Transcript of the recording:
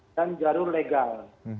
dan jarur legal